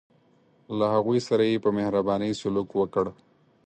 له هغوی سره یې په مهربانۍ سلوک وکړ.